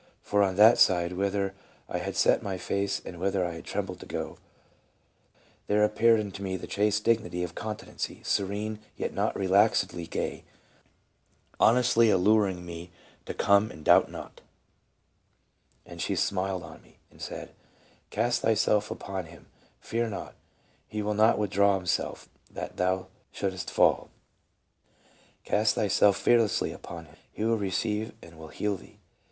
For on that side whither I had set my face and whither I trembled to go, there appeared unto me the chaste dignity of continency, serene, yet not relaxedly gay, honestly alluring me to come and doubt not, and she smiled on me [and said] cast thyself upon Him, fear not, He will not withdraw Himself that thou shouldst fall ; cast thyself fearlessly upon Him, He will receive and will heal thee